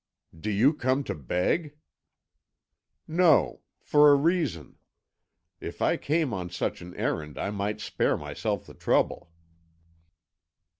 "Do you come to beg?" "No for a reason. If I came on such an errand, I might spare myself the trouble."